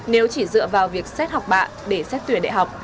nếu chỉ dựa vào việc xét học bạ để xét tuyển đại học